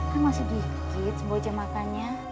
kan masih dikit sebuah jam matanya